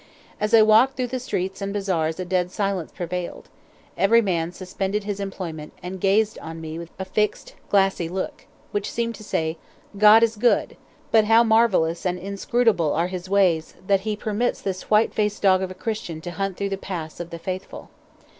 As I walked through the streets and bazaars a dead silence prevailed; every man suspended his employment, and gazed on me with a fixed, glassy look, which seemed to say, "God is good, but how marvellous and inscrutable are His ways that thus He permits this white faced dog of a Christian to hunt through the paths of the faithful."